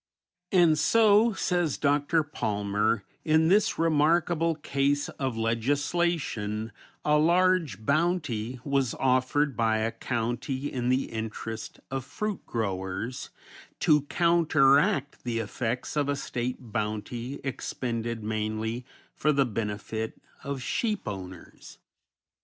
And so, says Dr. Palmer, "In this remarkable case of legislation a large bounty was offered by a county in the interest of fruit growers to counteract the effects of a State bounty expended mainly for the benefit of sheep owners!"